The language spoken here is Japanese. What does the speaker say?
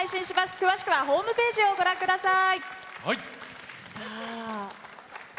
詳しくはホームページをご覧ください。